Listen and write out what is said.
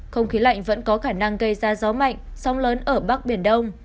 không khí lạnh vẫn có khả năng gây ra gió mạnh sóng lớn ở bắc biển đông